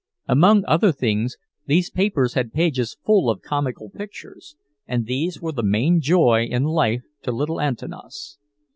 Among other things, these papers had pages full of comical pictures, and these were the main joy in life to little Antanas.